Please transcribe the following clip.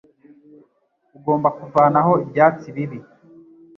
Ugomba kuvanaho ibyatsi bibi